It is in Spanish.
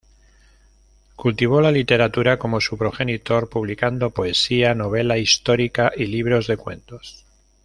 Cultivó la literatura como su progenitor, publicando poesía, novela histórica y libros de cuentos.